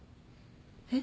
えっ？